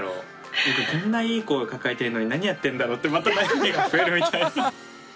僕こんないい子を抱えてるのに何やってるんだろうってまた悩みが増えるみたいな。